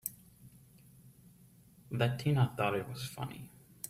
That Tina thought it was funny!